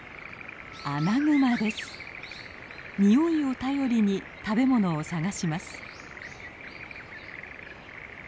匂いを頼りに食べ物を探します。